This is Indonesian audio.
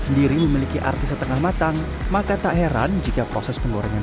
sendiri memiliki arti setengah matang maka tak heran jika proses penggorengan